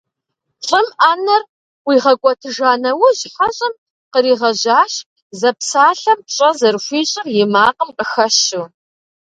Лӏым Ӏэнэр ӀуигъэкӀуэтыжа нэужь хьэщӏэм къригъэжьащ, зэпсалъэм пщӀэ зэрыхуищӀыр и макъым къыхэщу.